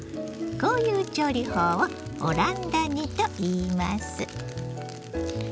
こういう調理法をオランダ煮といいます。